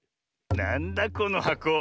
なんだこのはこ？